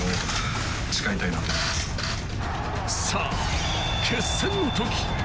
さあ、決戦のとき。